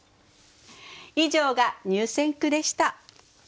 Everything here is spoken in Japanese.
以上が入選句でした。